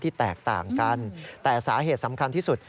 แตกต่างกันแต่สาเหตุสำคัญที่สุด